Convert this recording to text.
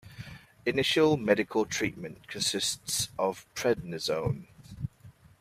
Initial medical treatment consists of prednisone.